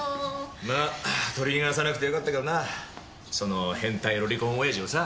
まあ取り逃がさなくてよかったけどなその変態ロリコンおやじをさ。